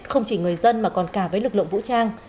không chỉ người dân mà còn cả với lực lượng vũ trang